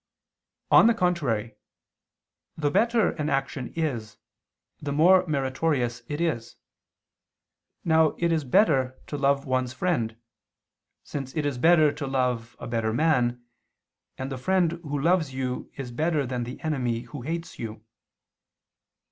On the contrary, The better an action is, the more meritorious it is. Now it is better to love one's friend, since it is better to love a better man, and the friend who loves you is better than the enemy who hates you.